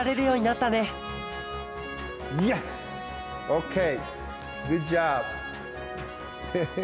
オーケー？